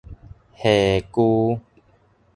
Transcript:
海龜